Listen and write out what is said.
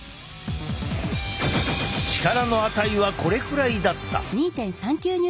力の値はこれくらいだった。